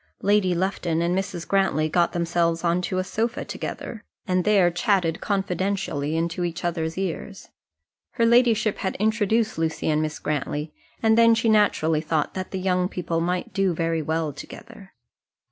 Lady Lufton and Mrs. Grantly got themselves on to a sofa together, and there chatted confidentially into each other's ears. Her ladyship had introduced Lucy and Miss Grantly, and then she naturally thought that the young people might do very well together.